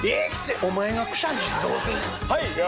「お前がくしゃみしてどうすんねん」。